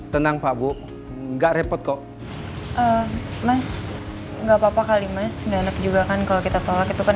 tenang pak bu nggak repot kok mas nggak papa kali mas enak juga kan kalau kita tolak itu kan